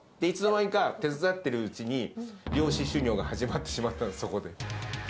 いつの間にか手伝ってるうちに、漁師修業が始まってしまったんです、そこで。